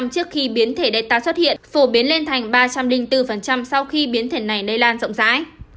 trước khi biến thể đen tạo xuất hiện phổ biến lên thành ba trăm linh bốn sau khi biến thể này nây lan rộng rãi